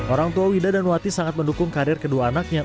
orang tua widawati dan widawati sangat mendukung karir kedua anaknya